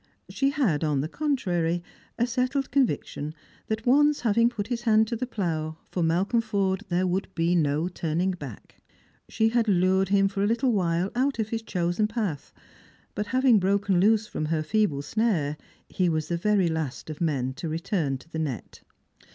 She had, on the contrary, a settled conviction that, once having put his hand to the plough, for Malcolm Forde there would be no turning back ward. She had lured him for a little while out of his chosen path ; but having broken loose from her feeble snare, he was the very last of men to return to the net.